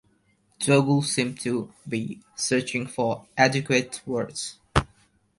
Dougal seemed to be searching for adequate words.